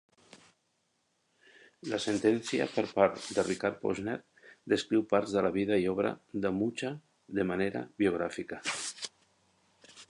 La sentència per part de Richard Posner descriu parts de la vida i obra de Mucha de manera biogràfica.